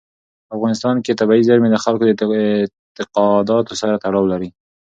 په افغانستان کې طبیعي زیرمې د خلکو د اعتقاداتو سره تړاو لري.